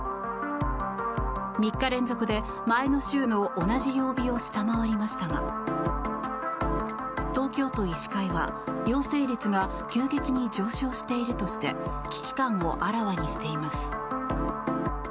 ３日連続で前の週の同じ曜日を下回りましたが東京都医師会は陽性率が急激に上昇しているとして危機感をあらわにしています。